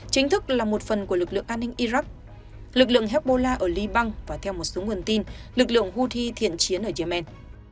iran có một phần của lực lượng an ninh iraq lực lượng hezbollah ở liban và theo một số nguồn tin lực lượng houthi thiện chiến ở yemen